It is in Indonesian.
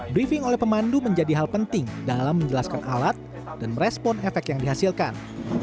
briefing oleh pemandu menjadi hal penting dalam menjelaskan alat dan merespon efek yang dihasilkan